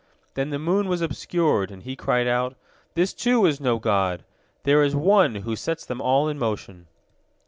Then the moon was obscured, and he cried out: "This, too, is no god! There is One who sets them all in motion."